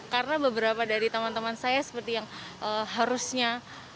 karena beberapa dari teman teman saya seperti yang harusnya